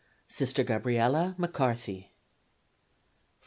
Sister Gabriella McCarthy.